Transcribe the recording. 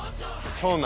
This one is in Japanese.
長男！